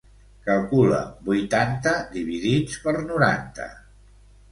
Calcula vuitanta dividits per noranta.